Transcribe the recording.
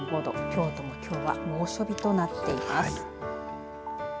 京都もきょうは猛暑日となっています。